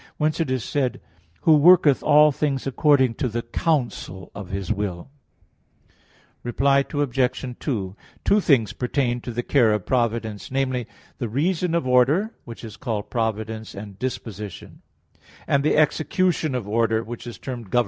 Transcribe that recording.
Whence it is said: "Who worketh all things according to the counsel of His will" (Eph. 1:11). Reply Obj. 2: Two things pertain to the care of providence namely, the "reason of order," which is called providence and disposition; and the execution of order, which is termed government.